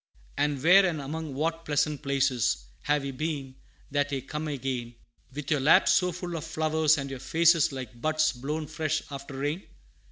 "And where, and among what pleasant places, Have ye been, that ye come again With your laps so full of flowers, and your faces Like buds blown fresh after rain?"